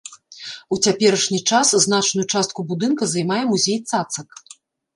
У цяперашні час значную частку будынка займае музей цацак.